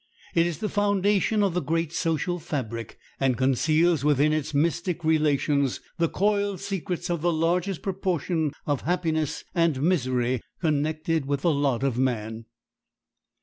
It is the foundation of the great social fabric, and conceals within its mystic relations the coiled secrets of the largest proportion of happiness and misery connected with the lot of man.